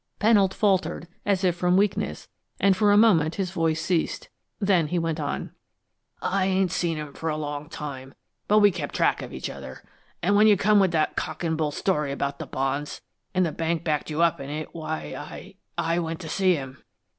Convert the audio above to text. Pennold faltered, as if from weakness, and for a moment his voice ceased. Then he went on: "I ain't seen him for a long time, but we kept track of each other, an' when you come with that cock an' bull story about the bonds, and the bank backed you up in it, why I I went to see him."